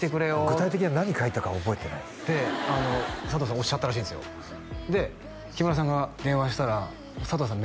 具体的に何書いたか覚えてないですって佐藤さんおっしゃったらしいんですよで木村さんが電話したら佐藤さん